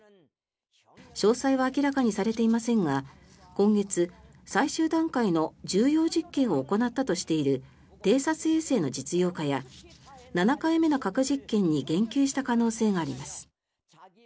詳細は明らかにされていませんが今月最終段階の重要実験を行ったとしている偵察衛星の実用化や７回目の核実験に言及した可能性があります。